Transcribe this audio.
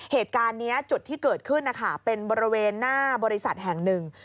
เหตุการณ์นี้จุดที่เกิดขึ้นนะคะเป็นบริเวณหน้าบริษัทแห่งหนึ่ง